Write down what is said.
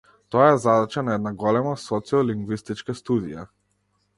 Тоа е задача на една голема социолингвистичка студија.